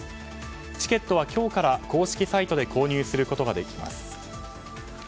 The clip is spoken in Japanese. チケットは今日から公式サイトで購入することができます。